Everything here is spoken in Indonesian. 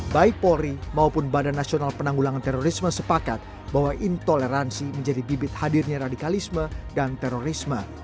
baik polri maupun bnpt sepakat bahwa intoleransi menjadi bibit hadirnya radikalisme dan terorisme